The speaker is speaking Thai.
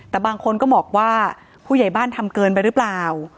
แต่บางคนก็บอกว่าผู้ใหญ่บ้านทำเกินไปหรือเปล่า